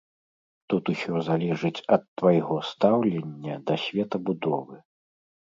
Тут усё залежыць ад твайго стаўлення да светабудовы.